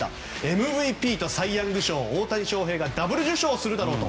ＭＶＰとサイ・ヤング賞は大谷翔平がダブル受賞するだろうと。